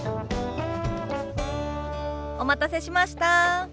お待たせしました。